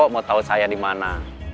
mau tau saya dimana